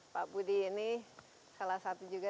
pak budi ini salah satu juga